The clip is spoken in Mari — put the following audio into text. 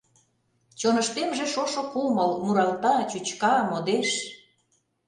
Чоныштемже шошо кумыл Муралта, чӱчка, модеш.